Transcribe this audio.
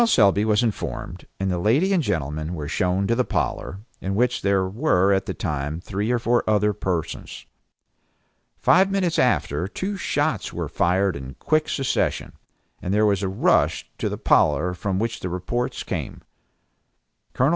Selby was informed; and the lady and gentleman were shown to the parlor, in which were at the time three or four other persons. Five minutes after two shots were fired in quick succession, and there was a rush to the parlor from which the reports came. Col.